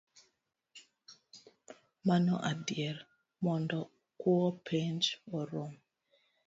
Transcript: Mano adier, mondo kuo penj orum